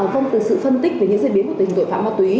vâng từ sự phân tích về những diễn biến của tình hình tội phạm ma túy